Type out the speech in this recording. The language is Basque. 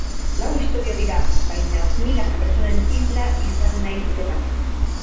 Lau istorio dira, baina milaka pertsonen isla izan nahi dutenak.